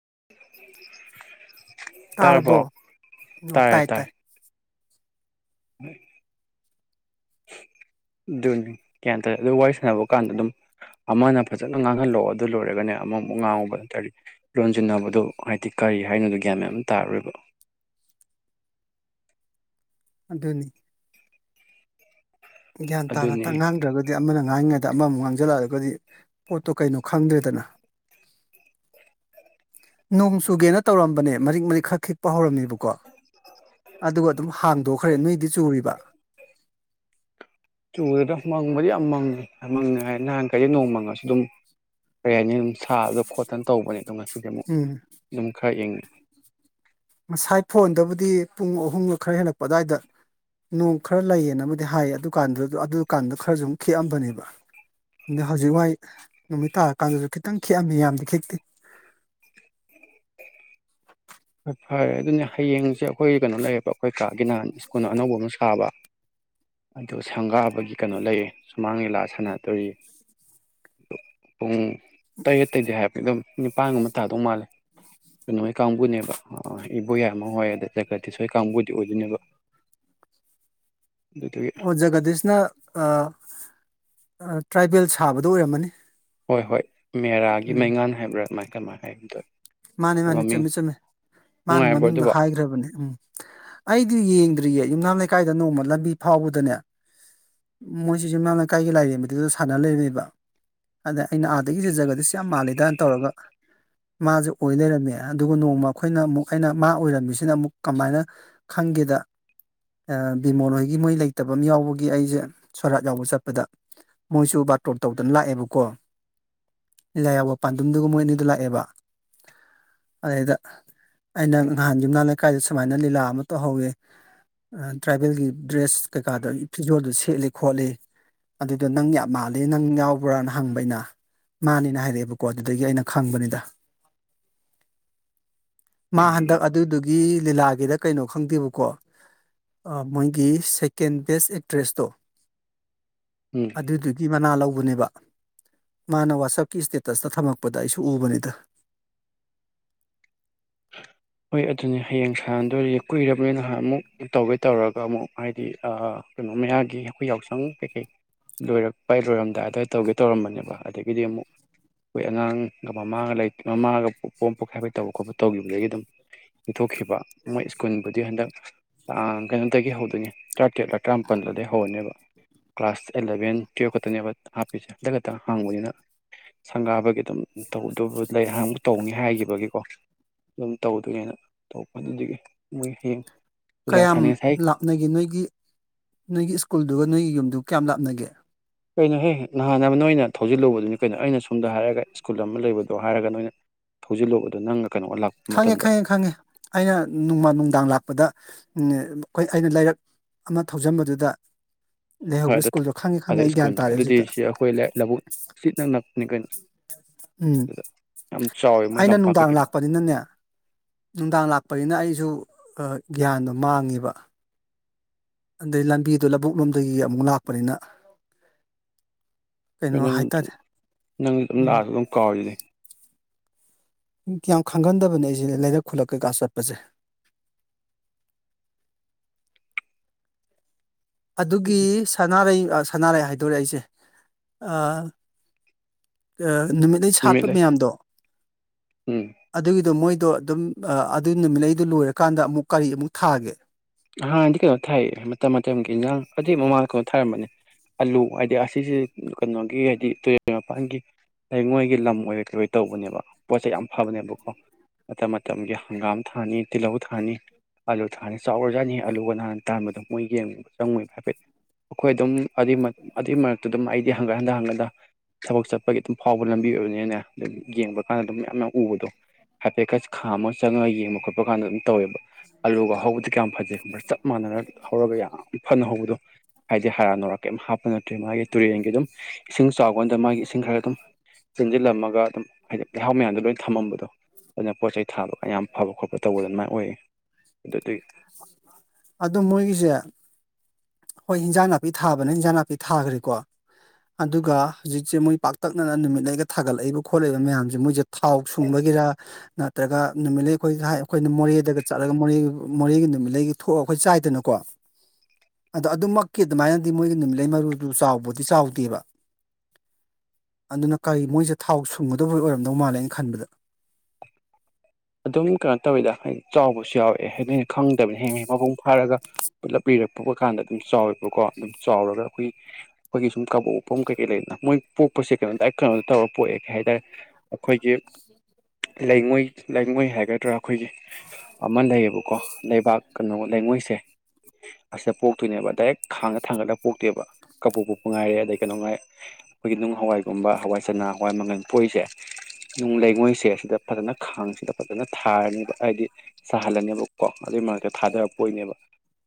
[inaudible] ꯇꯥꯔꯕꯣ ꯑꫭꫭ ꯇꯥꯔꯦ ꯇꯥꯏ ꯇꯥꯔꯦ ꯇꯥꯏ [inaudible] ꯑꯗꯨꯅꯤ ꯒ꯭ꯌꯥꯟ ꯇꯥꯏ ꯑꯗꯨ ꯋꯥꯔꯤ ꯁꯥꯟꯅꯕ ꯀꯥꯟꯗ ꯑꯗꯨꯝ ꯑꯃꯅ ꯐꯖꯅ ꯉꯥꯡꯍꯜꯂꯛꯑꯣ ꯑꯗꯨ ꯂꯣꯏꯔꯒꯅꯦ ꯑꯃꯃꯨꯛ ꯉꯥꯡꯉꫭꯕ ꯑꯗꯨ ꯅꯠꯇꯗꯤ ꯂꯣꯟꯁꯤꯟꯅꯕꯗꯣ ꯍꯥꯏꯗꯤ ꯀꯔꯤ ꯍꯥꯏꯅꯣꯗꯣ ꯒ꯭ꯌꯥꯟ ꯃꯦꯟ ꯑꯝ ꯇꯥꯔꯔꯣꯏꯕ ꯑꯗꯨꯅꯤ ꯒ꯭ꯌꯥꯟ ꯇꯥꯅ ꯑꯗꯨꯅꯤ ꯇ ꯉꯥꯡꯗ꯭ꯔꯒꯗꯤ ꯑꯃꯅ ꯉꯥꯡꯉꯤꯉꯥꯏ ꯗ ꯑꯃꯃꯨꯛ ꯉꯥꯡꯖꯜꯂꯛ ꯑꯗꯤ ꯑꯈꫭꯏꯗꯤ ꯄꯣꯠꯇꯣ ꯀꯩꯅꯣ ꯈꯪꯗ꯭ꯔꯦꯗꯅ ꯅꯣꯡ ꯆꯨꯒꯦꯅ ꯇꯧꯔꯝꯕꯅꯦ ꯃꯔꯤꯛ ꯃꯔꯤꯛ ꯈꯔ ꯈꯤꯛꯄ ꯍꯧꯔꯝꯃꯤꯕ ꯕꯨꯀꫭ ꯑꯗꯨꯒ ꯑꯗꯨꯝ ꯍꯥꯡꯗꯣꯛꯈ꯭ꯔꯦ ꯅꯣꯏꯗꯤ ꯆꯨꯔꯤꯕ ꯆꯨꯗꯦꯗ ꯃꯪꯕꯗꯤ ꯌꯥꯝ ꯃꯪꯉꯤ ꯌꯥꯝ ꯃꯪꯉꯦ ꯍꯥꯏ ꯅꯍꯥꯟꯈꯩꯗꯤ ꯅꯣꯡ ꯃꯪꯉꯁꯨ ꯑꯗꯨꯝ ꯀꯔꯤ ꯍꯥꯏꯅꯤ ꯑꯗꯨꯝ ꯁꯥꯗꯅ ꯈꯣꯠꯇꯅ ꯇꯧꯕꯅꯦ ꯑꯗꯨ ꯉꯁ ꯗꯤꯃꯨꯛ ꯎꯝ ꯅꯨꯡ ꯈꯔ ꯏꯪꯉꯦ ꯉꯁꯥꯏ ꯐꯣꯟꯗꯕꯨꯗꯤ ꯄꯨꯡ ꯑꯍꯨꯝꯒ ꯈꯔ ꯍꯦꯜꯂꯛꯄ ꯑꯗꯨꯋꯥꯏꯗ ꯅꯣꯡ ꯈꯔ ꯂꯩꯌꯦꯅꯕꯨꯗꯤ ꯍꯥꯏ ꯑꯗꯨꯀꯥꯟꯗꯨꯗ ꯑꯗꯨ ꯀꯥꯟꯗ ꯈꯔꯁꯨ ꯑꯗꯨꯨꯝ ꯈꯤꯛꯑꯝꯕꯅꯦꯕ ꯑꯗ ꯍꯧꯖꯤꯛ ꯋꯥꯏ ꯅꯨꯃꯤꯠ ꯇꯥꯔꯀꯥꯟꯗꯁꯨ ꯈꯤꯇꯪ ꯈꯤꯛꯑꯝꯃꯤ ꯌꯥꯝꯗꯤ ꯈꯤꯛꯇꯦ ꯍꯣꯏ ꯐꯔꯦ ꯑꯗꯨꯅꯦ ꯍꯌꯦꯡꯁꯦ ꯑꯩꯈꯣꯏ ꯀꯩꯅꯣ ꯂꯩꯌꯦꯕ ꯑꯩꯈꯣꯏ ꯀꯥꯒꯤ ꯅꯍꯥꯟ ꯁ꯭ꯀꯨꯜ ꯑꯅꯧꯕ ꯑꯃ ꯁꯥꯕ ꯑꯗꯨ ꯁꯪꯒꯥꯕꯒꯤ ꯀꯩꯅꯣ ꯂꯩꯌꯦ ꯁꯨꯃꯥꯡ ꯂꯤꯂꯥ ꯁꯥꯟꯅꯗꯣꯔꯤ ꯄꯨꯡ ꯇꯩꯔ ꯇꯩꯗꯦ ꯍꯥꯏꯗꯤ ꯗꯨꯝ ꯅꯤꯄꯥꯟ ꯒꯨꯝꯕ ꯇꯥꯗꯧ ꯃꯥꯜꯂꯦ ꯀꯩꯅꯣ ꯍꯣꯏ ꯀꯥꯡꯕꯨꯅꯦꯕ ꯏꯕꯨꯣꯌꯥꯏꯝꯃ ꯍꫭꯏ ꯑꯗꯒꯤ ꯖꯒꯠꯗꯤꯁ ꯍꫭꯏ ꯀꯥꯡꯕꯨꯗꯤ ꯑꯣꯏꯗꯣꯏꯅꯦꯕ ꯑꯗꯨꯗꯨꯒꯤ ꯑꯣ ꯖꯒꯗꯤꯁꯅ ꯑ ꯑ ꯇ꯭ꯔꯥꯏꯕꯦꯜ ꯁꯥꯕꯗꯨ ꯑꯣꯏꯔꯝꯃꯅꯤ ꯍꯣꯏ ꯍꯣꯏ ꯃꯦꯔꯥꯒꯤ ꯎꯝ ꯃꯩꯉꯥꯟ ꯍꯥꯏꯕ꯭ꯔꯥ ꯀꯃꯥꯏ ꯀꯃꯥꯏ ꯍꯥꯏꯒꯨꯝ ꯇꯧꯋꯦ ꯃꯥꯅꯦ ꯃꯥꯅꯦ ꯃꯃꯤꯡ ꯆꯨꯝꯃꯦ ꯆꯨꯝꯃꯦ ꯃꯥꯅ ꯅꯨꯡꯉꯥꯏꯕ꯭ꯔꯣ ꯃꯃꯤꯡꯗꯣ ꯑꯗꯨꯕꯣ ꯍꯥꯏꯒ꯭ꯔꯕꯅꯦ ꯎꯝ ꯑꯩꯗꯤ ꯌꯦꯡꯗ꯭ꯔꯤꯌꯦ ꯌꯨꯝꯅꯥꯝ ꯂꯩꯀꯥꯏꯗ ꯅꯣꯡꯃ ꯂꯝꯕꯤ ꯐꯥꯎꯕꯗꯅꯦ ꯃꯣꯏꯁꯤ ꯌꯨꯝꯅꯥꯝ ꯂꯩꯀꯥꯏꯒꯤ ꯂꯥꯏꯔꯦꯝꯕꯗꯨꯗ ꯁꯥꯟꯅ ꯂꯩꯔꯝꯃꯦꯕ ꯑꯗ ꯑꯩꯅ ꯑꯥꯗꯒꯤꯖꯦ ꯖꯒꯗꯤꯁ ꯌꯥꯝ ꯃꯥꯜꯂꯤꯗꯅ ꯇꯧꯔꯒ ꯃꯥꯁꯦ ꯑꯣꯏ ꯂꯩꯔꯝꯃꯦ ꯑꯗꯨꯒ ꯅꯣꯡꯃ ꯑꯩꯈꯣꯏꯅ ꯑꯃꯨꯛ ꯑꯩꯅ ꯃꯥ ꯑꯣꯏꯔꯝꯃꯤꯁꯤꯅ ꯑꯃꯨꯛ ꯀꯃꯥꯏꯅ ꯈꯪꯒꯦꯗ ꯕꯤꯃꯣꯜ ꯍꯣꯏꯒꯤ ꯃꯣꯏ ꯂꯩꯇꯕ ꯑꯃ ꯌꯥꯎꯕꯒꯤ ꯑꯩꯁꯦ ꯁꯣꯔꯥꯠ ꯌꯥꯎꯕ ꯆꯠꯄꯗ ꯃꯣꯏꯁꯨ ꯕꯥꯔꯇꯣꯔ ꯇꯧꯗꯅ ꯂꯥꯛꯑꯦꯕꯀꯣ ꯂꯤꯂꯥ ꯌꯥꯎꯕ ꯄꯥꯟꯗꯨꯝꯗꯨꯒ ꯃꯣꯏ ꯑꯅꯤꯗꯨ ꯂꯥꯛꯑꯦꯕ ꯑꯗꯨꯗꯩꯗ ꯑꯩꯅ ꯅꯍꯥꯟ ꯌꯨꯝꯅꯥꯝ ꯂꯩꯀꯥꯏꯗ ꯁꯨꯃꯥꯏꯅ ꯂꯤꯂꯥ ꯑꯃ ꯇꯧꯍꯧꯋꯤ ꯇ꯭ꯔꯥꯏꯕꯦꯜꯒꯤ ꯗ꯭ꯔꯦꯁ ꯀꯩꯀꯥꯗ ꯐꯤꯖꯣꯜꯗꯣ ꯁꯦꯠꯂꯤ ꯈꯣꯠꯂꯤ ꯑꯗꯨꯗꯣ ꯅꯪ ꯌꯥꯝ ꯃꯥꯜꯂꯤ ꯅꯪ ꯌꯥꯎꯕ꯭ꯔꯥꯅ ꯍꯪꯕ ꯑꯩꯅ ꯃꯥꯟꯅꯤꯅ ꯍꯥꯏꯔꯛꯑꯦꯕꯀꯣ ꯑꯗꯨꯗꯒꯤ ꯑꯩꯅ ꯈꯪꯕꯅꯤꯗ ꯃꯥ ꯎꯝ ꯍꯟꯗꯛ ꯑꯗꯨꯗꯨ ꯒꯤ ꯂꯤꯂꯥꯒꯤꯗ ꯀꯩꯅꯣ ꯈꯪꯗꯦꯕꯀꯣ ꯃꯣꯏꯒꯤ ꯁꯦꯀꯦꯟ ꯕꯦꯁ ꯑꯦꯛꯇ꯭ꯔꯦꯁꯇꯣ ꯎꯝ ꯑꯗꯨꯗꯨꯒꯤ ꯃꯅꯥ ꯂꯧꯕ ꯎꯅꯦꯕ ꯃꯥꯅ ꯋꯥꯆꯞꯀꯤ ꯁꯇꯦꯇꯁꯇ ꯊꯝꯃꯛꯄꯗ ꯑꯩꯁꯨ ꯎꯕꯅꯤꯗ ꯍꯣꯏ ꯑꯗꯨꯅꯦ ꯍꯌꯦꯡ ꯁꯥꯟꯗꯗꯤ ꯀꯨꯏꯔꯕꯅꯤ ꯅꯍꯟꯃꯨꯛ ꯑꯃꯨꯛ ꯇꯧꯒꯦ ꯇꯧꯔꯒ ꯑꯃꯨꯛ ꯍꯥꯏꯗꯤ ꯀꯩꯅꯣ ꯃꯌꯥꯒꯤ ꯑꯩꯈꯣꯏ ꯌꯥꯎꯁꯪ ꯀꯩꯀꯩ ꯂꯣꯏꯔꯛꯄ ꯂꯣꯏꯔꯝꯗꯥꯏꯗ ꯇꯧꯒꯦ ꯇꯧꯔꯝꯕꯅꯦꯕ ꯑꯗꯒꯤꯗꯤ ꯑꯃꯨꯛ ꯑꯩꯈꯣꯏ ꯑꯉꯥꯡꯒ ꯃꯃꯥꯒ ꯃꯃꯥꯒ ꯄꯣꯝ ꯄꯣꯛ ꯍꯥꯏꯐꯦꯠ ꯇꯧꯕ ꯈꯣꯠꯄ ꯇꯧꯈꯤꯕꯗꯒꯤ ꯑꯗꯨꯝ ꯄꯤꯊꯣꯛꯈꯤꯕ ꯃꯣꯏ ꯁ꯭ꯀꯨꯜꯕꯨꯗꯤ ꯍꯟꯗꯛ ꯀꯩꯅꯣꯗꯒꯤ ꯍꯧꯗꯣꯏꯅꯤ ꯇꯔꯥꯇꯔꯦꯠꯂ ꯇꯔꯥꯃꯥꯄꯜꯗꯗꯒꯤꯩ ꯍꯧꯅꯦꯕ ꯀ꯭ꯂꯥꯁ ꯑꯦꯂꯚꯦꯟ ꯇꯨꯌꯦꯞ ꯈꯛꯇꯅꯦꯕ ꯍꯥꯞꯄꯤꯁꯦ ꯍꯟꯗꯛ ꯈꯛꯇꯪ ꯍꯥꯡꯕꯅꯤꯅ ꯁꯪꯒꯥꯕꯒꯤ ꯑꯗꯨꯝ ꯇꯧꯗꯕꯨ ꯂꯩ ꯍꯥꯡꯕ ꯇꯧꯅꯤ ꯍꯥꯏꯈꯤꯕꯒꯤꯀꯣ ꯑꯗꯨꯝ ꯇꯧꯗꯣꯏꯒꯦꯅ ꯇꯧꯕꯄꯗꯒꯤ ꯃꯣꯏ ꯍꯌꯦꯡ ꯂꯤꯂꯥ ꯀꯌꯥꯝ ꯁꯥꯟꯅꯩ ꯉꯁꯥꯏ ꯂꯥꯥꯞꯅꯒꯦ ꯅꯣꯏꯒꯤ ꯅꯣꯏꯒꯤ ꯁ꯭ꯀꯨꯜꯗꯨꯒ ꯅꯣꯏꯒꯤ ꯌꯨꯝꯗꯨ ꯀꯌꯥꯝ ꯂꯥꯞꯅꯒꯦ ꯀꯩꯅꯣꯍꯦ ꯅꯍꯥꯟ ꯑꯃ ꯅꯣꯏꯅ ꯊꯧꯖꯤꯜꯂꯨꯕꯗꯨꯅꯤ ꯀꯩꯅꯣ ꯑꯩꯅ ꯁꯣꯝꯗ ꯍꯥꯏꯔꯒ ꯁ꯭ꯀꯨꯜ ꯑꯃ ꯂꯩꯕꯗꯣ ꯍꯥꯏꯔꯒ ꯅꯣꯏꯅ ꯊꯧꯖꯤꯜꯂꯨꯕꯗꯣ ꯅꯪꯅ ꯈꯪꯉꯦ ꯈꯪꯉꯦ ꯈꯪꯉꯦ ꯑꯩꯅ ꯅꯣꯡꯃ ꯅꯨꯡꯗꯥꯡ ꯂꯥꯛꯄꯗ ꯑꯩꯈꯣꯏ ꯑꯩꯅ ꯂꯥꯏꯔꯛ ꯑꯃ ꯊꯧꯖꯟꯕꯗꯨꯗ ꯍꯣꯏ ꯂꯩꯍꯧꯕ ꯑꯗꯨ ꯁ꯭ꯀꯨꯜꯗꯣ ꯈꯪꯉꯦ ꯈꯪꯉꯦ ꯑꯗꯨ ꯑꯩ ꯒ꯭ꯌꯥꯟ ꯁ꯭ꯀꯨꯜꯗ ꯇꯥꯔꯦ ꯑꯗꯨꯗꯤ ꯍꯧꯖꯤꯛꯇ ꯁꯤ ꯑꯩꯈꯣꯏ ꯂꯧꯕꯨꯛ ꯁꯤ ꯏꯅꯛ ꯅꯛꯄꯅꯤ ꯀꯩꯅꯣ ꯎꯝ ꯑꯗꯨꯗ ꯌꯥꯝ ꯆꯥꯎꯋꯦ ꯃꯣꯏ ꯑꯩꯅ ꯂꯝꯄꯥꯛ ꯅꯨꯡꯗꯥꯡ ꯀꯩꯀꯩ ꯂꯥꯛꯄꯅꯤꯅꯅꯦ ꯅꯨꯡꯗꯥꯡ ꯂꯥꯛꯄꯅꯤꯅ ꯑꯩꯁꯨ ꯒ꯭ꯌꯥꯟꯗꯣ ꯃꯥꯡꯉꯤꯕ ꯑꯗꯩ ꯂꯝꯕꯤꯗ ꯂꯧꯕꯨꯛ ꯂꯣꯝꯗꯒꯤ ꯑꯃꯨꯛ ꯂꯥꯛꯄꯅꯤꯅ ꯀꯩꯅꯣ ꯅ ꯍꯥꯏꯇꯥꯔꯦ ꯅꯪ ꯑꯗꯨꯝ ꯂꯥꯛꯑ ꯎꯝ ꯑꯗꯨꯝ ꯀꯥꯎꯔꯤꯅꯦ ꯌꯥꯝ ꯈꯪꯒꯟꯗꯕꯅꯦ ꯑꯩꯁꯦ ꯂꯩꯔꯛ ꯈꯨꯜꯂꯛ ꯀꯩꯀꯥ ꯆꯠꯄꯁꯦ ꯑꯗꯨꯒꯤ ꯁꯅꯥꯔꯩ ꯁꯥꯟꯅꯔꯩ ꯍꯥꯏꯗꯣꯔꯦ ꯑꯩꯁꯦ ꯅꯨꯃꯤꯠ ꯂꯩ ꯁꯥꯠꯄ ꯃꯌꯥꯝꯗꯣ ꯎꯝ ꯑꯗꯨꯒꯤꯗꯣ ꯃꯣꯏ ꯑꯗꯨꯣ ꯑꯗꯨꯝ ꯑꯗꯨ ꯅꯨꯃꯤꯠꯂꯩ ꯑꯩꯗꯨ ꯂꯣꯏꯔꯀꯥꯟꯗ ꯑꯃꯨꯛ ꯀꯔꯤ ꯑꯃꯨꯛ ꯊꯥꯒꯦ ꯑꯍꯥꯟꯅꯗꯤ ꯀꯩꯅꯣ ꯊꯥꯏ ꯃꯇꯝ ꯃꯇꯝꯒꯤ ꯏꯟꯖꯥꯡ ꯑꯗꯨꯏ ꯃꯃꯥꯡꯗ ꯀꯩꯅꯣ ꯊꯥꯔꯝꯕꯅꯦ ꯑꯂꯨ ꯍꯥꯏꯗꯤ ꯑꯁꯤꯁꯦ ꯀꯩꯅꯣꯒꯤ ꯍꯥꯏꯗꯤ ꯇꯨꯔꯦꯜ ꯃꯄꯥꯟꯒꯤ ꯂꯩꯉꯣꯏꯒꯤ ꯂꯝ ꯑꯣꯏꯔ ꯀꯩ ꯑꯣꯏ ꯇꯧꯕꯅꯦꯕ ꯄꯣꯠꯁꯦ ꯌꯥꯝ ꯐꯕꯅꯦꯕꯀꯣ ꯃꯇꯝ ꯃꯇꯝꯒꯤ ꯍꯪꯒꯥꯝ ꯊꯥꯅꯤ ꯇꯤꯜꯍꯧ ꯊꯥꯅꯤ ꯑꯂꯨ ꯊꯥꯅꯤ ꯆꯥꯎꯔ ꯖꯥꯅꯤ ꯍ ꯑꯂꯨꯒ ꯅꯥꯥꯟ ꯇꯥꯟꯕꯗ ꯃꯣꯏ ꯌꯦꯡꯉꯕ ꯆꯪꯉꯣꯏꯕ ꯍꯥꯏꯐꯦꯠ ꯑꯩꯈꯣꯏ ꯑꯗꯨꯝ ꯑꯗꯨꯏ ꯑꯗꯨꯏ ꯃꯔꯛꯇ ꯑꯗꯨꯝ ꯑꯩꯗꯤ ꯍꯪꯒꯠ ꯍꯟꯊ ꯍꯪꯒꯟꯗ ꯊꯕꯛ ꯆꯠꯄꯒꯤ ꯑꯗꯨꯝ ꯐꯥꯎꯕ ꯂꯝꯕꯤ ꯑꯣꯏꯕꯅꯤꯅꯦ ꯑꯗꯨꯝ ꯌꯦꯡꯕ ꯀꯥꯟꯗ ꯑꯗꯨꯝ ꯌꯥꯝꯅ ꯎꯕꯗꯣ ꯍꯥꯏꯐꯦꯠꯀ ꯈꯥꯝꯃꯒ ꯆꯪꯉꯒ ꯌꯦꯡꯕ ꯈꯣꯠꯄ ꯀꯥꯟꯗ ꯑꯗꯨꯝ ꯇꯧꯋꯦꯕ ꯑꯥꯂꯨꯒ ꯍꯧꯕꯗꯤ ꯀꯌꯥꯝ ꯐꯖꯩ ꯆꯞ ꯃꯥꯟꯅꯔ ꯍꯧꯔꯒ ꯌꯥꯝ ꯐꯅ ꯍꯧꯕꯗꯣ ꯍꯥꯏꯗꯤ ꯍꯥꯔꯥ ꯅꯔꯥ ꯀꯩꯝ ꯍꯥꯞꯄ ꯅꯠꯇ꯭ꯦ ꯃꯥꯒꯤ ꯇꯨꯔꯦꯟꯒꯤ ꯑꯗꯨꯝ ꯏꯁꯤꯡ ꯆꯥꯎꯀꯥꯟꯗ ꯃꯥꯒꯤ ꯏꯁꯤꯡ ꯈꯔ ꯑꯗꯨꯝ ꯆꯦꯟꯁꯤꯜꯂꯝꯃꯒ ꯑꯗꯨꯝ ꯍꯥꯏꯗꯤ ꯂꯩꯍꯥꯎ ꯃꯌꯥꯝꯗꯣ ꯂꯣꯏꯅ ꯊꯝ ꯃꯝꯕꯗꯣ ꯑꯗꯨ ꯄꯣꯠ ꯆꯩ ꯊꯥꯕꯒ ꯌꯥꯝ ꯐꯕ ꯈꯣꯠꯄ ꯇꯧꯕ ꯑꯗꯨꯃꯥꯏꯅ ꯑꯣꯏꯌꯦ ꯑꯗꯨꯒꯤ ꯑꯗꯨ ꯃꯣꯏꯒꯤꯁꯦ ꯍꯣꯏ ꯏꯟꯖꯥꯡ ꯅꯥꯄꯤ ꯊꯥꯕꯅ ꯏꯟꯖꯥꯡ ꯅꯥꯄꯤ ꯊꯥꯈ꯭ꯔꯦꯀꯣ ꯑꯗꯨꯒ ꯍꯧꯖꯤꯛꯁꯦ ꯃꯣꯏ ꯄꯥꯛꯇꯛꯅꯅ ꯅꯨꯃꯤꯠ ꯂꯩꯒ ꯊꯥꯒꯠꯂꯛꯏꯕ ꯈꯣꯠꯂꯛꯏꯕ ꯃꯌꯥꯝꯁꯦ ꯃꯣꯏꯁꯦ ꯊꯥꯎ ꯁꯨꯡꯕꯒꯤꯔ ꯅꯠꯇ꯭ꯔꯒ ꯅꯨꯃꯤꯠꯂꯩ ꯑꯩꯈꯣꯏ ꯑꯩꯈꯣꯏꯅ ꯃꯣꯔꯦꯗꯒ ꯆꯠꯂꯒ ꯃꯣꯔꯦ ꯃꯣꯔꯦꯒꯤ ꯅꯨꯃꯤꯠꯂꯩꯒꯤ ꯊꯣꯛꯑ ꯑꯩꯈꯣꯏ ꯆꯥꯏꯗꯅꯀꯣ ꯑꯗꯣ ꯑꯗꯨꯃꯛꯀꯤ ꯑꯗꯨꯃꯥꯏꯅꯗꯤ ꯃꯣꯏꯒꯤ ꯅꯨꯃꯤꯠꯂꯩ ꯃꯔꯨꯗꯨ ꯆꯥꯎꯕꯗꯤ ꯆꯥꯎꯗꯦꯕ ꯑꯗꯨꯅ ꯀꯔꯤ ꯃꯣꯏꯁꯦ ꯊꯥꯎ ꯁꯨꯡꯒꯗꯕ ꯑꯣꯏꯔꯝꯗꯧ ꯃꯥꯜꯂꯦꯩꯅ ꯈꯟꯕꯗ ꯑꯗꯨꯝ ꯀꯩꯅꯣ ꯇꯧꯋꯤꯗ ꯍꯥꯏꯗꯤ ꯆꯥꯎꯕꯁꯨ ꯌꯥꯎꯋꯦ ꯍꯥꯏꯗ ꯑꯩꯅ ꯈꯪꯗꯕꯅ ꯍꯌꯦ ꯃꯄꯨꯡ ꯐꯥꯔꯒ ꯄꯨꯂꯞ ꯂꯤꯔꯛ ꯄꯨꯕ ꯀꯥꯟꯗ ꯑꯗꯨꯝ ꯆꯥꯎꯋꯦꯕꯀꯣ ꯑꯗꯨꯝ ꯆꯥꯎꯔꯒ ꯑꯩꯈꯣꯏꯒꯤ ꯑꯩꯈꯣꯏꯒꯤ ꯁꯨꯝ ꯀꯕꯣꯛꯐꯝ ꯀꯩꯀꯩ ꯂꯩꯗꯅ ꯃꯣꯏ ꯄꯣꯛꯄꯁꯦ ꯀꯩꯅꯣ ꯇ ꯀꯩꯅꯣꯗ ꯇꯧꯔ ꯄꯣꯛꯑꯦ ꯀꯩ ꯍꯥꯏꯇꯥꯔꯦ ꯑꯩꯈꯣꯏꯒꯤ ꯂꯩꯉꯣꯏ ꯂꯩꯉꯣꯏ ꯍꯥꯏꯒꯗ꯭ꯔꯥ ꯑꯩꯈꯣꯏꯒꯤ ꯑꯃ ꯂꯩꯌꯦꯕꯀꯣ ꯂꯩꯕꯥꯛ ꯀꯩꯅꯣ ꯂꯩꯉꯣꯏꯁꯦ ꯑꯁꯤꯗ ꯄꯣꯛꯇꯣꯏꯅꯦꯕ ꯗꯥꯏꯔꯦꯛ ꯈꯥꯡꯗ ꯊꯥꯡꯒꯠꯂꯒ ꯄꯣꯛꯇꯦꯕ ꯀꯕꯨꯣꯛ ꯄꯣꯛꯄ ꯉꯥꯏꯔꯦ ꯑꯗꯩ ꯀꯩꯅꯣ ꯉꯥꯏ ꯑꯩꯈꯣꯏꯒꯤ ꯅꯨꯡ ꯍꯋꯥꯏꯒꯨꯝꯕ ꯍꯋꯥꯏ ꯆꯅꯥ ꯍꯋꯥꯏ ꯃꯪꯒꯜ ꯄꯣꯛꯏꯁꯦ ꯅꯨꯡ ꯂꯩꯉꯣꯏꯁꯦ ꯑꯁꯤꯗ ꯐꯖꯅ ꯈꯥꯡꯁꯤꯗ ꯐꯖꯅ ꯊꯥꯔꯅꯦꯕ ꯍꯥꯏꯗꯤ ꯁꯥꯍꯜꯂꯅꯦꯕ ꯀꯣ ꯑꯗꯨꯏ ꯃꯔꯛꯇ ꯊꯥꯗꯔꯛꯄ ꯑꯣꯏꯅꯦꯕ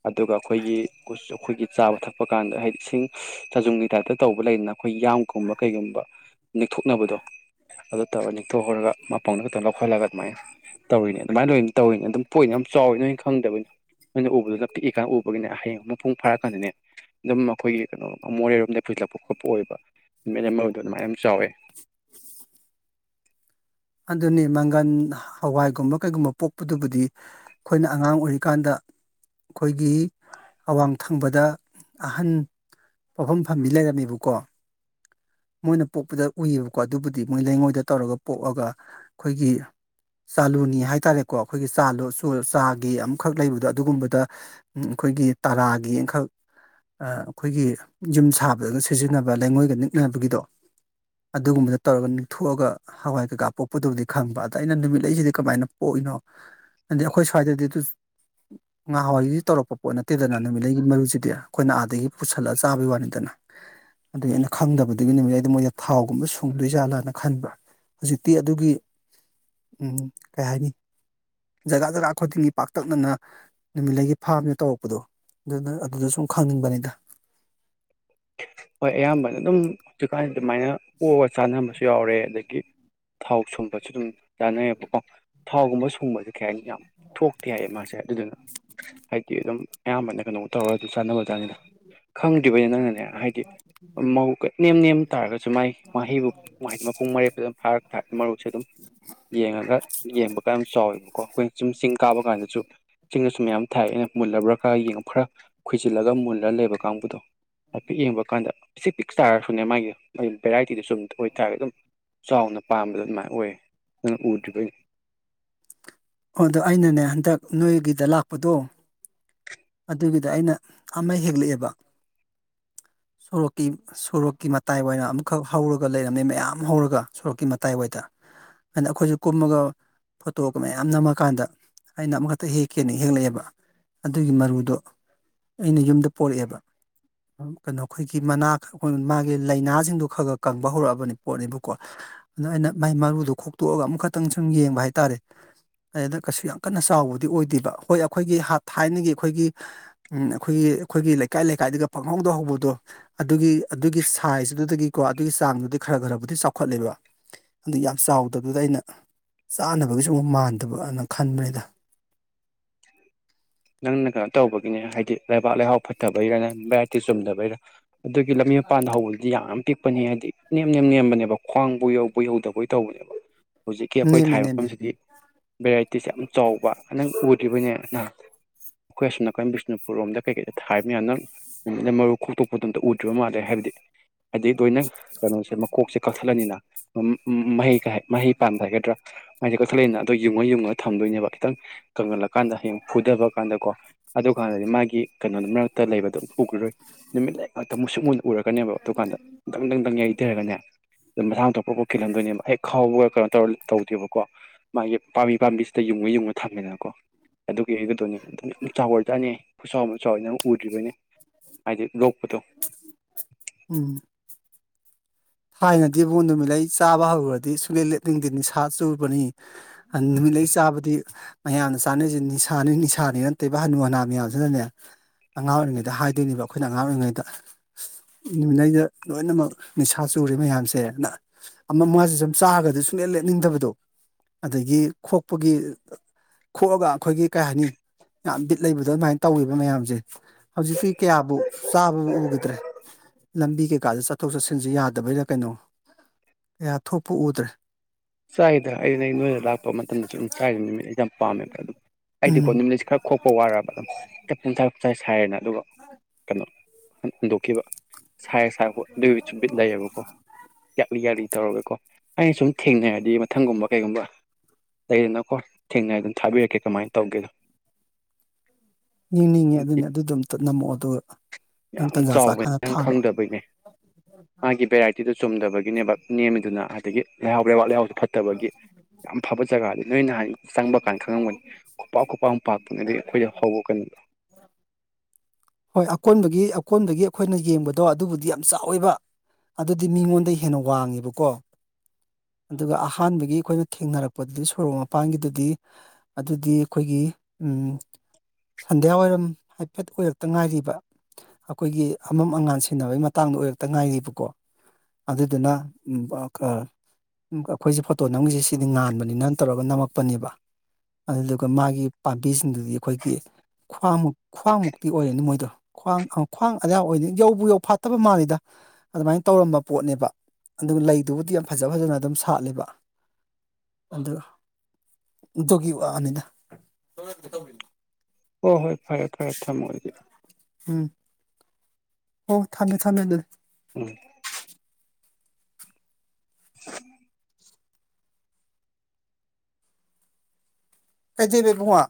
ꯑꯗꯨꯒ ꯑꯩꯈꯣꯏꯒꯤ ꯑꯩꯈꯣꯏꯒꯤ ꯆꯥꯕ ꯊꯛꯄ ꯀꯥꯟꯗ ꯍꯥꯏꯗꯤ ꯏꯁꯤꯡ ꯆꯥꯖꯨꯡꯒꯤ ꯇꯥꯏꯞꯇ ꯇꯧꯕ ꯂꯩꯗꯅ ꯑꯩꯈꯣꯏ ꯌꯥꯝꯒꯨꯝꯕ ꯀꯩꯒꯨꯝꯕ ꯅꯤꯡꯊꯣꯛꯅꯕꯗꯣ ꯑꯗꯨ ꯇꯧꯔꯒ ꯅꯤꯡꯊꯣꯛꯍꯧꯔꯒ ꯃꯄꯥꯎꯅ ꯛꯇꯪ ꯂꯧꯊꯣꯛ ꯑꯗꯨꯃꯥꯏ ꯇꯧꯅꯦ ꯑꯗꯨꯃꯥꯏꯅ ꯂꯅ ꯇꯧꯔꯤꯅꯦ ꯑꯗꯨꯝ ꯄꯣꯏ ꯌꯥꯝ ꯆꯥꯎꯋꯤ ꯅꯣꯏꯅ ꯈꯪꯗꯕꯅꯤ ꯎꯕ ꯑꯗꯨꯗ ꯇꯤꯛꯏꯀ ꯎꯕꯒꯤꯅꯦ ꯍꯌꯦꯡ ꯑꯃ ꯃꯄꯨꯡ ꯐꯥꯔꯀꯥꯟꯗꯅꯦ ꯑꯗꯨꯝ ꯑꯩꯈꯣꯏꯒꯤ ꯀꯩꯅꯣ ꯃꯣꯔꯦꯔꯣꯝꯗ ꯄꯨꯁꯤꯜꯂꯛꯄ ꯈꯣꯠꯄ ꯑꯣꯏꯕ ꯅꯨꯃꯤꯠ ꯑꯃꯗꯣ ꯑꯗꯨꯃꯥꯏ ꯌꯥꯝ ꯆꯥꯎꯋꯦ ꯑꯗꯨꯅꯤ ꯃꯪꯒꯟ ꯍꯋꯥꯏꯒꯨꯝꯕ ꯀꯩꯒꯨꯝꯕ ꯄꯣꯛꯄꯗꯨꯕꯨꯗꯤ ꯑꯩꯈꯣꯏꯅ ꯑꯉꯥꯡ ꯑꯣꯏꯔꯤꯀꯥꯟꯗ ꯑꯩꯈꯣꯏꯒꯤ ꯑꯋꯥꯡ ꯊꯪꯕꯗ ꯑꯍꯟ ꯄꯣꯛꯐꯝ ꯐꯝꯕꯤ ꯂꯩꯔꯝꯃꯦꯕꯀꯣ ꯃꯣꯏꯅ ꯄꯣꯛꯄꯗ ꯎꯏꯌꯦꯕꯀꯣ ꯑꯗꯨꯕꯨꯗꯤ ꯃꯣꯏ ꯂꯩꯉꯣꯏꯗ ꯇꯧꯔꯒ ꯄꯣꯛꯑꯒ ꯑꯩꯈꯣꯏꯒꯤ ꯆꯥꯂꯨꯅꯤ ꯍꯥꯏꯇꯥꯥꯔꯦꯀꯣ ꯑꯩꯈꯣꯏꯒꯤ ꯆꯥ ꯆꯥꯒꯤ ꯑꯃꯈꯛ ꯂꯩꯕꯗꯣ ꯑꯗꯨꯒꯨꯝꯕꯗ ꯑꯩꯈꯣꯏꯒꯤ ꯇꯔꯥꯒꯤ ꯑꯃꯈꯛ ꯑꯩꯈꯣꯏꯒꯤ ꯌꯨꯝ ꯁꯥꯕꯗꯒ ꯁꯤꯖꯤꯟꯅꯕ ꯂꯩꯉꯣꯏꯒ ꯅꯤꯛꯅꯕꯒꯤꯗꯣ ꯑꯗꯨꯒꯨꯝꯕꯗ ꯇꯧꯔꯒ ꯅꯤꯛꯊꯣꯛꯑꯒ ꯍꯋꯥꯏ ꯀꯩꯀꯥ ꯄꯣꯛ ꯃꯗꯕꯨꯗꯤ ꯈꯪꯕ ꯑꯗ ꯑꯩꯅ ꯅꯨꯃꯤꯠꯂꯩꯁꯤꯗꯤ ꯀꯃꯥꯏꯅ ꯄꯣꯛꯏꯅꯣ ꯍꯥꯏꯗꯤ ꯑꯩꯈꯣꯏ ꯁ꯭ꯋꯥꯏꯗꯗꯤ ꯑꯗꯨ ꯉꯥꯋꯥꯏꯒꯤꯗꯤ ꯇꯧꯔꯛꯄ ꯄꯣꯠ ꯅꯠꯇꯦꯗꯅ ꯅꯨꯃꯤꯠꯂꯩꯒꯤ ꯃꯔꯨꯁꯤꯗꯤ ꯑꯩꯈꯣꯏꯅ ꯑꯥꯗꯒꯤ ꯄꯨꯁꯜꯂꯒ ꯆꯥꯕꯩ ꯋꯥꯅꯤꯗꯅ ꯑꯗꯨ ꯑꯩꯅ ꯈꯪꯗꯕꯗꯨꯗꯒꯤ ꯅꯨꯃꯤꯠ ꯑꯩꯩꯗ ꯃꯣꯏꯗ ꯊꯥꯎꯒꯨꯝꯕ ꯁꯨꯡꯗꯣꯏꯖꯥꯠꯂꯥꯅ ꯈꯟꯕ ꯍꯧꯖꯤꯛꯇꯤ ꯑꯗꯨꯒꯤ ꯑꯗꯨꯒꯤ ꯎꯝ ꯀꯩ ꯍꯥꯏꯅꯤ ꯖꯒꯥ ꯖꯒꯥ ꯈꯨꯗꯤꯡꯒꯤ ꯄꯥꯛꯇꯛꯅꯅ ꯅꯨꯃꯤꯠꯂꯒꯤ ꯐꯥꯝꯁꯦ ꯇꯧꯔꯛꯄꯗꯣ ꯑꯗꯨꯅ ꯑꯗꯨꯗ ꯁꯨꯝ ꯈꯪꯅꯤꯡꯕꯅꯤꯗ ꯍꯣꯏ ꯑꯌꯥꯝꯕꯅ ꯑꯗꯨꯝ ꯍꯧꯀꯥꯏ ꯑꯗꯨꯃꯥꯏꯅ ꯑꯣꯑꯒ ꯆꯥꯟꯅꯔꯃꯁꯨ ꯌꯥꯎꯔꯦ ꯑꯗꯒꯤ ꯊꯥꯎ ꯁꯨꯝꯕꯁꯨ ꯑꯗꯨꯝ ꯇꯅ [unintelligible] ꯊꯥꯎꯒꯨꯝꯕ ꯁꯨꯡꯕꯁꯤꯁꯦ ꯀꯩ ꯍꯥꯏꯅꯤ ꯌꯥꯝ ꯊꯣꯛꯇꯦ ꯌꯥꯏꯌꯦ ꯃꯥꯁꯦ ꯑꯗꯨꯗꯨꯅ ꯍꯥꯏꯗꯤ ꯑꯗꯨꯝ ꯑꯌꯥꯝꯕꯅ ꯀꯩꯅꯣ ꯇꯧꯔ ꯑꯗꯨ ꯆꯥꯟꯅꯕ ꯆꯥꯅꯤꯗ ꯈꯪꯗ꯭ꯔꯤꯕ ꯅꯪꯅꯅꯦ ꯍꯥꯏꯗꯤ ꯃꯕꯨꯛꯀ ꯅꯦꯝ ꯅꯦꯝ ꯇꯥꯔꯒꯁꯨ ꯃꯥ ꯃꯍꯩꯕꯨꯗꯤ ꯃꯄꯨꯡ ꯃꯔꯦꯇ ꯑꯗꯨꯝ ꯐꯥꯔꯛ ꯊꯥꯔ ꯃꯔꯨꯁꯦ ꯑꯗꯨꯝ ꯌꯦꯡꯉꯒ ꯌꯦꯡꯕꯒ ꯌꯥꯝ ꯆꯥꯎꯋꯦꯕꯀ ꯀꯣ ꯑꯩꯈꯣꯏꯅ ꯆꯨꯝ ꯆꯤꯡ ꯀꯥꯕ ꯀꯥꯟꯗꯁꯨ ꯆꯤꯡꯗꯁꯨ ꯃꯌꯥꯝ ꯊꯥꯏ ꯑꯩꯅ ꯃꯨꯜꯂꯕ꯭ꯔꯥ ꯈꯔ ꯌꯦꯡꯉꯨ ꯈꯔ ꯈꯣꯏꯖꯤꯜꯂꯒ ꯃꯨꯜꯂ ꯂꯩꯕ ꯀꯥꯡꯕꯨꯗꯣ ꯍꯥꯏ ꯄꯤꯛ ꯌꯦꯡꯕ ꯀꯥꯟꯗ ꯄꯤ ꯄꯤꯛ ꯇꯥꯔꯁꯨꯅꯦ ꯃꯥꯒꯤ ꯚꯦꯔꯥꯏꯇꯤꯗ ꯁꯨꯝ ꯑꯣꯏꯇꯥꯔꯒꯗꯤ ꯑꯗꯨꯝ ꯆꯥꯎꯅ ꯄꯥꯝꯕꯗ ꯑꯗꯨꯃꯥꯏꯅ ꯅꯣꯏ ꯑꯗꯨꯅ ꯎꯗ꯭ꯔꯤꯕꯩꯅꯤ ꯑꯣ ꯑꯗꯣ ꯑꯩꯅꯅꯦ ꯍꯟꯗꯛ ꯅꯣꯏꯒꯤꯗ ꯂꯥꯛꯄꯗꯣ ꯑꯗꯨꯒꯤꯗ ꯑꯩꯅ ꯑꯃ ꯍꯦꯛꯂꯛꯑꯦꯕ ꯁꯣꯔꯣꯛꯀꯤ ꯁꯣꯔꯣꯛꯀꯤ ꯃꯇꯥꯏ ꯑꯣꯏꯅ ꯑꯃꯨꯛꯈꯛ ꯍꯧꯔꯒ ꯂꯩꯔꯝꯃꯦ ꯃꯌꯥꯝ ꯍꯧꯔꯒ ꯁꯣꯔꯣꯛꯀꯤ ꯃꯇꯥꯏꯋꯥꯗ ꯑꯗꯨꯅ ꯑꯩꯈꯣꯏꯁꯨ ꯀꯨꯝꯃꯒ ꯐꯣꯇꯣꯒ ꯃꯌꯥꯝ ꯌꯥꯝ ꯅꯝꯃꯀꯥꯟꯗ ꯑꯩꯅ ꯑꯃꯈꯛꯇ ꯍꯦꯛꯀꯦꯅ ꯍꯦꯛꯂꯛꯑꯦꯕ ꯑꯗꯨꯒꯤ ꯃꯔꯨꯗꯣ ꯑꯩꯅ ꯌꯨꯝꯗ ꯄꯣꯔꯛꯑꯦꯕ ꯀꯩꯅꯣ ꯑꯩꯈꯣꯏꯒꯤ ꯃꯅꯥ ꯑꯩ ꯃꯥꯒꯤ ꯂꯥꯏꯅꯥꯁꯤꯡꯗꯣ ꯈꯔ ꯈꯔ ꯀꯪꯕ ꯍꯧꯔꯛꯑꯕꯅꯤ ꯄꯣꯠꯅꯦꯕꯀꯣ ꯑꯗꯨꯗꯣ ꯑꯩꯅ ꯃꯥꯏ ꯃꯔꯨꯗꯣ ꯈꯣꯛꯇꯣꯛꯑꯒ ꯑꯃꯨꯛꯈꯛꯇꯪ ꯁꯨꯝ ꯌꯦꯡꯕ ꯍꯥꯏꯇꯥꯔꯦ ꯑꯗ ꯀꯩꯁꯨ ꯌꯥꯝ ꯀꯟꯅ ꯆꯥꯎꯕꯗꯤ ꯑꯣꯏꯗꯦꯕ ꯍꯣꯏ ꯑꯩꯈꯣꯏꯒꯤ ꯊꯥꯏꯅꯒꯤ ꯑꯩꯈꯣꯏꯒꯤ ꯑꯩꯈꯣꯏꯒꯤ ꯑꯩꯈꯣꯏꯒꯤ ꯂꯩꯀꯥꯏ ꯂꯩꯀꯥꯏꯒ ꯄꯪꯍꯧꯗꯍꯧꯕꯗꯣ ꯑꯗꯨꯒꯤ ꯑꯗꯨꯒꯤ ꯁꯥꯏꯖꯇꯗꯒꯤꯀꯣ ꯑꯗꯨꯒꯤ ꯆꯥꯡꯗꯨꯗꯤ ꯈꯔ ꯈꯔꯕꯨꯗꯤ ꯆꯥꯎꯈꯠꯂꯦꯕ ꯑꯗꯨ ꯌꯥꯝ ꯆꯥꯎꯗꯕꯗ ꯑꯩꯅ ꯆꯥꯅꯕꯒꯤꯁꯨ ꯑꯃꯨꯛ ꯃꯥꯟꯗꯦ ꯑꯗꯨꯕꯨ ꯑꯅ ꯈꯟꯕꯩꯗ ꯅꯪꯅ ꯀꯩꯅꯣ ꯇꯧꯕꯒꯤꯅꯦ ꯍꯥꯏꯗꯤ ꯂꯩꯕꯥꯛ ꯂꯩꯍꯥꯎ ꯐꯠꯇꯕꯩꯔ ꯚꯦꯔꯥꯏꯇꯤ ꯆꯨꯝꯗꯕꯩꯔꯥ ꯑꯗꯨꯒꯤ ꯂꯝꯕꯤ ꯃꯄꯥꯟꯗ ꯍꯧꯕꯗꯤ ꯌꯥꯝꯅ ꯄꯤꯛꯄ ꯄꯅꯤ ꯍꯥꯏꯗꯤ ꯅꯦꯝ ꯅꯦꯝ ꯅꯦꯝꯕꯅꯦꯕ ꯈ꯭ꯋꯥꯡꯕꯨ ꯌꯧꯕ ꯌꯧꯗꯕꯣꯏ ꯇꯧꯕꯅꯦꯕ ꯍꯧꯖꯤꯛꯀꯤ ꯑꯩꯈꯣꯏ ꯅꯦꯝꯃꯦ ꯊꯥꯏ ꯅꯦꯝꯃꯦ ꯃꯐꯝꯁꯤꯗꯤ ꯚꯦꯔꯥꯏꯇꯤꯁꯦ ꯌꯥꯝ ꯆꯥꯎꯕ ꯅꯪ ꯎꯠ ꯅꯦ ꯅꯍ ꯑꯩꯈꯣꯏ ꯑꯁ ꯅꯥꯀꯣꯏ ꯕꯤꯁꯅꯨꯄꯨꯔ ꯔꯣꯝꯗ ꯀꯩꯀꯩꯗ ꯊꯥꯏꯕꯌꯥꯝꯅ ꯅꯨꯃꯤꯠꯅ ꯃꯔꯨ ꯈꯣꯛꯇꯣꯛꯄꯗꯣꯝꯇ ꯎꯗ꯭ꯔꯤꯕ ꯃꯥꯜꯂꯦ ꯍꯥꯏꯕꯗꯤ ꯍꯥꯏꯗꯤ ꯂꯣꯏꯅ ꯀꯩꯅꯣꯁꯦ ꯃꯀꯣꯛꯁꯦ ꯀꯛꯊꯠꯂꯅꯤꯅ ꯎ ꯃꯍꯩ ꯃꯍꯩ ꯄꯥꯟꯕ ꯍꯥꯏꯒꯗ꯭ꯔꯥ ꯃꯁꯦ ꯀꯛꯊꯠꯂꯛꯏꯅ ꯑꯗꯣ ꯌꯨꯡꯉ ꯌꯨꯡꯉꯒ ꯊꯝꯗꯣꯏꯅꯦꯕ ꯈꯤꯇꯪ ꯀꯪꯍꯜꯂꯀꯥꯟꯗ ꯍꯌꯦꯡ ꯐꯨꯗꯕ ꯀꯥꯟꯗꯀꯣ ꯑꯗꯨꯀꯥꯟꯗꯗꯤ ꯃꯥꯒꯤ ꯀꯩꯅꯣꯗꯨ ꯃꯔꯛꯇ ꯂꯩꯕꯗꯣꯝ ꯎꯈꯔꯣꯏ ꯅꯨꯃꯤꯠ ꯂꯩ ꯉꯥꯛꯇ ꯃꯨꯁꯨ ꯃꯨ ꯎꯔꯛꯀꯅꯦꯕ ꯑꯗꯨꯗꯨꯀꯥꯟꯗꯇꯪ ꯗꯪꯇꯪ ꯌꯩꯊꯔꯒꯅꯦ ꯑꯗꯨꯝ ꯃꯁꯥ ꯊꯣꯛꯄ ꯄꯣꯠꯈꯤꯜꯂꯝꯗꯣꯏꯅꯦꯕ ꯍꯦꯛ ꯈꯥꯎꯕ ꯀꯩꯅꯣ ꯇꯧꯔ ꯇꯧꯗꯦꯕꯀꯣ ꯃꯥꯒꯤ ꯄꯥꯝꯕꯤ ꯄꯥꯝꯕꯤꯁꯤꯗ ꯌꯨꯡꯉ ꯌꯨꯡꯉ ꯊꯝꯃꯦꯗꯕ ꯀꯣ ꯑꯗꯨꯒꯤ ꯑꯩꯒꯗꯅꯤ ꯑꯗꯨꯝ ꯌꯥꯝ ꯆꯥꯎꯕꯖꯥꯠꯅꯤ ꯑꯩ ꯈꯨꯆꯥꯎ ꯑꯃ ꯆꯥꯎꯥꯎꯋ ꯅꯪ ꯎꯗ꯭ꯔꯤꯕꯅꯦ ꯍꯥꯏꯗꯤ ꯂꯣꯛꯄꯗꯣ ꯎꯝ ꯊꯥꯏꯅꯗꯤ ꯏꯕꯨꯕꯣꯟ ꯅꯨꯃꯤꯠ ꯂꯩꯩ ꯆꯥꯕ ꯍꯧꯔꯨꯔꯗꯤ ꯁꯨꯡꯛꯂꯦꯠ ꯂꯦꯞꯅꯤꯡꯗꯦ ꯅꯤꯁꯥ ꯆꯨꯔꯕꯅꯤ ꯅꯨꯃꯤꯠꯂ ꯆꯥꯕꯗꯤ ꯃꯌꯥꯝꯅ ꯆꯥꯅꯔꯤꯁꯦ ꯅꯤꯁꯥꯅꯤ ꯅꯤꯁꯥꯅꯤꯅ ꯅꯠꯇꯦꯕ ꯍꯅꯨ ꯍꯅꯥ ꯃꯌꯥꯝꯁꯤꯅꯅꯦ ꯑꯉꯥꯡ ꯑꯣꯏꯔꯤꯉꯩꯗ ꯍꯥꯏꯗꯣꯏꯅꯦꯕ ꯑꯩꯈꯣꯏꯅ ꯑꯉꯥꯡ ꯑꯣꯏꯔꯤꯉꯩꯗ ꯅꯨꯃꯤꯠꯉꯩꯗ ꯂꯣꯏꯅꯃꯛ ꯅꯤꯁꯥ ꯁꯥꯥ ꯆꯨꯔꯤ ꯃꯌꯥꯝꯁꯦ ꯑꯃ ꯑꯃꯁꯤꯦ ꯁꯨꯝ ꯆꯥꯒꯗꯤ ꯁꯨꯡꯂꯦ ꯂꯦꯅꯤꯡꯗꯕꯗꯣ ꯑꯗꯒꯤ ꯈꯣꯛꯄꯒꯤ ꯈꯣꯛꯑꯒ ꯑꯩꯈꯣꯏꯒꯤ ꯀꯩ ꯍꯥꯏꯅꯤ ꯌꯥꯝ ꯕꯤꯠ ꯂꯩꯕꯗꯣ ꯑꯗꯨꯃꯥꯏꯅ ꯇꯧꯋꯦꯕ ꯃꯌꯥꯝꯁꯦ ꯍꯧꯖꯤꯛꯇꯤ ꯀꯌꯥꯕꯨ ꯆꯥꯕꯕꯨ ꯎꯈꯤꯗ꯭ꯔꯦ ꯂꯝꯕꯤ ꯀꯩꯀꯥꯗ ꯆꯠꯊꯣꯛ ꯆꯠꯁꯤꯟꯁꯦ ꯌꯥꯗꯦ ꯗꯕꯩꯗ ꯀꯩꯅꯣ ꯀꯌꯥ ꯊꯣꯛꯄ ꯎꯗ꯭ꯔꯦ ꯆꯥꯏꯗ ꯑꯩꯅ ꯅ ꯅꯣꯏꯗ ꯂꯥꯛꯄ ꯃꯇꯝꯗꯁꯨ ꯑꯗꯨꯝ ꯆꯥꯏꯗ ꯅꯨꯃꯤꯠ ꯑꯩꯁꯦ ꯌꯥꯝ ꯄꯥꯝꯃꯦꯕꯗ ꯑꯗꯨꯝ ꯑꯩꯗꯤꯀꯣ ꯎꯝ ꯅꯨꯃꯤꯠꯁꯦ ꯈꯔ ꯈꯣꯛꯄ ꯋꯥꯔꯔꯕ ꯑꯗꯨꯝ ꯇ ꯇꯥꯏ ꯁꯥꯏꯌꯦꯅ ꯑꯗꯨꯒ ꯀꯩꯅꯣ ꯍꯟꯗꯣꯛꯈꯤꯕ ꯁꯥꯏ ꯁꯥꯏ ꯑꯗꯨꯕꯤꯠ ꯂꯩꯌꯦꯕꯀꯣ ꯌꯥꯛꯔꯤ ꯌꯥꯛꯂꯤ ꯇꯧꯔꯒꯦꯀꯣ ꯑꯩꯅ ꯁꯨꯝ ꯊꯦꯡꯅꯔ ꯗꯤ ꯃꯊꯪꯒꯨꯝꯕ ꯀꯩꯒꯨꯝꯕ ꯂꯩꯗꯅꯀꯣ ꯊꯦꯡꯅ ꯑꯗꯨꯝ ꯊꯥꯕꯤꯔꯛꯀꯦ ꯀꯃꯥꯏꯅ ꯇꯧꯒꯦꯗꯣ ꯌꯦꯡꯅꯤꯡꯉꯦ ꯑꯗꯨꯅꯦ ꯑꯗꯨ ꯑꯗꯨꯝ ꯅꯝꯃꯛꯑꯣ ꯑꯗꯨ ꯌꯥꯝ ꯆꯥꯎꯕꯅꯦ ꯅꯪ ꯈꯪꯗꯕꯩꯅꯦ ꯃꯥꯒꯤ ꯚꯦꯔꯥꯏꯇ ꯑꯕꯨ ꯆꯨꯝꯗꯕꯒꯤꯅꯦꯕ ꯅꯦꯝꯃꯤꯗꯨꯅ ꯍꯥꯏ ꯑꯗꯒꯤ ꯂꯩꯍꯥꯎ ꯂꯩꯕꯥꯛ ꯂꯩꯍꯥꯎꯁꯨ ꯐꯠꯇꯕꯒꯤ ꯌꯥꯝ ꯐꯕ ꯖꯒꯥꯅꯤ ꯂꯩꯅ ꯍꯥꯏ ꯆꯪꯕ ꯀꯥꯟꯗ ꯈꯪꯉꯂꯝꯒꯅꯤ ꯈꯨꯄꯥꯛ ꯈꯨꯄꯥꯛꯥꯛ ꯄꯥꯛꯄꯅꯤ ꯑꯗꯒꯤ ꯑꯩꯈꯣꯏꯗ ꯍꯧꯕ ꯀꯩꯅꯣꯗꯣ ꯍꯣꯏ ꯑꯀꯣꯟꯕꯒꯤ ꯑꯀꯣꯟꯕꯒꯤ ꯑꯩꯈꯣꯏꯅ ꯌꯦꯡꯕꯗꯣ ꯑꯗꯨꯕꯨꯗꯤ ꯌꯥꯝ ꯆꯥꯎꯋꯦꯕ ꯑꯗꯨꯗꯤ ꯃꯤꯉꯣꯟꯗ ꯍꯦꯟꯅ ꯋꯥꯡꯉꯦꯕꯀꯣ ꯑꯗꯨꯒ ꯑꯍꯥꯟꯕꯒꯤ ꯑꯩꯈꯣꯏꯅ ꯊꯦꯡꯅꯔꯛꯄꯗꯗꯤ ꯁꯣꯔꯣꯛ ꯃꯄꯥꯟꯒꯤꯗꯨꯗꯤ ꯑꯗꯨꯗꯤ ꯑꯩꯈꯣꯏꯒꯤ ꯁꯟꯗ꯭ꯌꯥ ꯋꯥꯏꯔꯝ ꯍꯥꯏꯐꯦꯠ ꯑꯣꯏꯔꯛꯇ ꯉꯥꯏꯔꯤꯕ ꯑꯩꯈꯣꯏꯒꯤ ꯑꯃꯝ ꯑꯉꯥꯟ ꯁꯤꯟꯅꯕꯩ ꯃꯇꯥꯡꯗ ꯑꯣꯏꯔꯛꯇ ꯉꯥꯏꯔꯤꯕꯀꯣ ꯑꯗꯨꯗꯨꯅ ꯑꯩꯈꯣꯏꯁꯦ ꯐꯣꯇꯣ ꯅꯝꯃꯤꯁꯦ ꯁꯤꯗꯤ ꯉꯥꯟꯕꯅꯤꯅ ꯇꯧꯔꯒ ꯅꯝꯃꯛꯄꯅꯦꯕ ꯑꯗꯨꯗꯨꯒ ꯃꯥꯒꯤ ꯄꯥꯝꯕꯤꯁꯤꯡꯗꯨꯗꯤ ꯑꯩꯈꯣꯏꯒꯤ ꯈ꯭ꯋꯥꯡꯃꯨꯛ ꯈ꯭ꯋꯥꯡꯃꯨꯛꯇꯤ ꯑꯣꯏꯔꯅꯤ ꯃꯣꯏꯗꯣ ꯈ꯭ꯋꯥꯡ ꯈ꯭ꯋꯥꯡ ꯑꯌꯥ ꯑꯣꯏꯅꯤ ꯌꯧꯕ ꯌꯧ ꯐꯥꯠꯇꯕ ꯃꯥꯜꯂꯤꯗ ꯑꯗꯨꯃꯥꯏꯅ ꯇꯧꯔꯝꯕ ꯄꯣꯠꯅꯦꯕ ꯑꯗꯨꯒ ꯂꯩꯗꯨꯕꯨꯗꯤ ꯌꯥꯝ ꯐꯖ ꯐꯖꯅ ꯑꯗꯨꯝ ꯁꯥꯠꯂꯦꯕ ꯑꯗꯨꯒ ꯇꯧꯕꯒꯤ ꯋꯥꯅꯤꯗ ꯍꯣꯏ ꯍꯣꯏ ꯐꯔꯦ ꯐꯔꯦ ꯊꯝꯃꯒꯦ ꯑꯗꯨꯗꯤ ꯎꯝ ꯑꯣ ꯊꯝꯃꯦ ꯊꯝꯃꯦ ꯑꯗꯨ ꯎꯝ [inaudible] ꯀꯩꯗꯧꯔꯦ ꯏꯕꯨꯡꯉꯣ